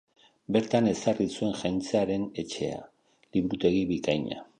Bertan ezarri zuen Jakintzaren Etxea, liburutegi bikaina.